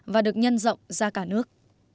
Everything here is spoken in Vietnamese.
và được nhân rộng ra cả nước